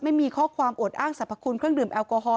ไม่มีข้อความอวดอ้างสรรพคุณเครื่องดื่มแอลกอฮอล